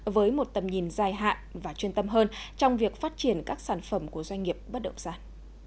với một tầm nhìn dài hạn và chuyên tâm hơn trong việc phát triển các sản phẩm của doanh nghiệp bất động sản